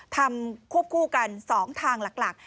ควบคู่กัน๒ทางหลัก